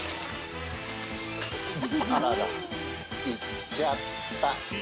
行っちゃった。